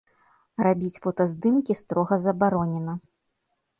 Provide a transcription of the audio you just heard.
Рабіць фотаздымкі строга забаронена.